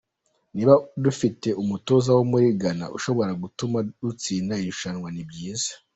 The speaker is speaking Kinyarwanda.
Niba dufite umutoza wo muri Ghana ushobora gutuma dutsinda irushanwa, ni byiza.